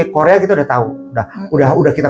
korea kita udah tahu udah kita